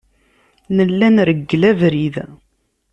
Nella nreggel abrid.